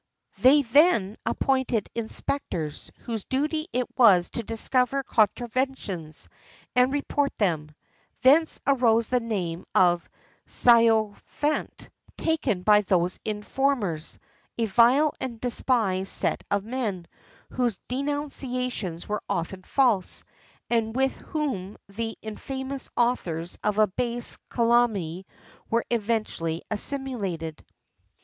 They then appointed inspectors, whose duty it was to discover contraventions, and report them: thence arose the name of Sycophant,[XIII 51] taken by those informers a vile and dispised set of men, whose denunciations were often false, and with whom the infamous authors of a base calumny were eventually assimilated.